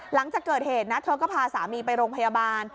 หลังจากเกิดเหตุนะเธอก็พาสามีไปโรงพยาบาล